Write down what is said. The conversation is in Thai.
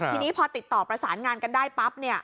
ทีนี้พอติดต่อประสานงานกันได้ปั๊บ